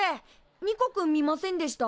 ニコくん見ませんでした？